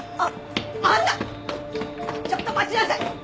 ちょっと待ちなさい！